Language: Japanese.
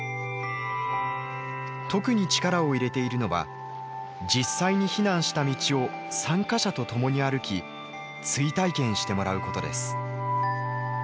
特に力を入れているのは実際に避難した道を参加者と共に歩き追体験してもらうことです。